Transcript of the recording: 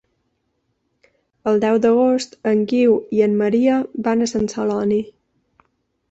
El deu d'agost en Guiu i en Maria van a Sant Celoni.